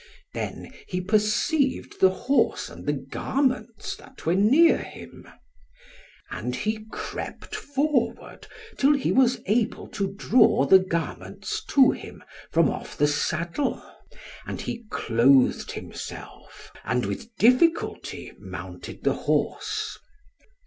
Then he perceived the horse and the garments, that were near him. And he crept forward till he was able to draw the garments to him from off the saddle. And he clothed himself, and with difficulty mounted the horse.